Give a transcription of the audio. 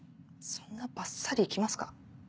そんなバッサリいきますか？